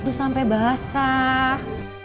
aduh sampe basah